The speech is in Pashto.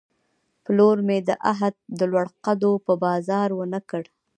پلور مې د عهد، د لوړ قدو په بازار ونه کړ